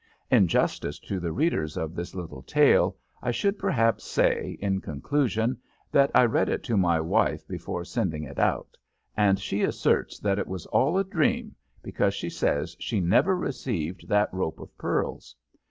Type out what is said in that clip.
In justice to the readers of this little tale, I should perhaps say, in conclusion, that I read it to my wife before sending it out, and she asserts that it was all a dream, because she says she never received that rope of pearls.